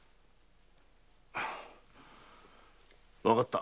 わかった。